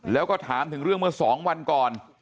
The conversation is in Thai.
แล้วก็ถามถึงเรื่องเมื่อ๒วันก่อน